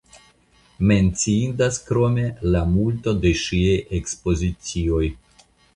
Menciindas krome la multo de ŝiaj ekspozicioj.